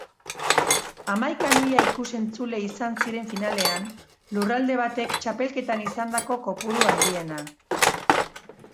Hamaika mila ikusentzule izan ziren finalean, lurralde batek txapelketan izandako kopuru handiena.